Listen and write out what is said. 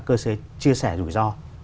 cơ chế chia sẻ rủi ro